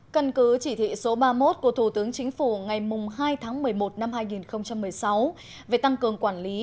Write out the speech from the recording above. cần cứ chỉ thị số ba mươi một của thủ tướng chính phủ ngày hai tháng một mươi một năm hai nghìn một mươi sáu về tăng cường quản lý